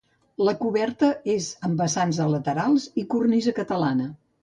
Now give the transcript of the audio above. La coberta és amb vessants a laterals i cornisa catalana.